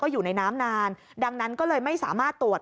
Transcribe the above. อยู่ในน้ำนานดังนั้นก็เลยไม่สามารถตรวจ